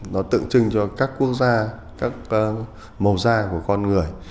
nó tượng trưng cho các quốc gia các màu da của con người